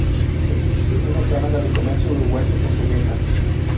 Existe una Cámara de Comercio Uruguayo-Portuguesa.